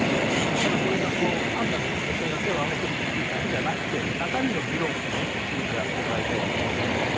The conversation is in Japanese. ただ、単なる女性が手を挙げているというだけじゃなくて中身の議論もきちんとやってもらいたいと思いますよね。